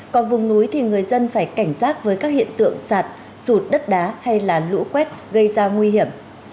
còn vùng núi thì người dân phải cảnh giác với các hiện tượng sạt sụt đất đá hay lũ quét gây ra nguy hiểm